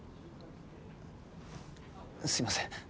すいません